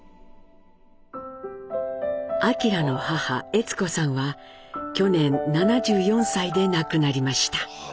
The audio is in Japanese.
明の母・悦子さんは去年７４歳で亡くなりました。